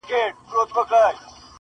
ډیري لاري یې پر سپي وې آزمېیلي -